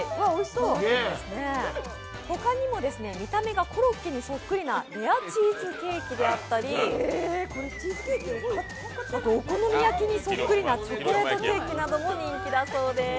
ほかにも見た目がコロッケにそっくりなレアチーズケーキであったり、お好み焼きにそっきりなチョコレートケーキなども人気だそうです。